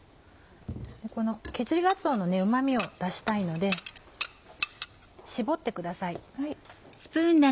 この削りがつおのうま味を出したいので絞ってください。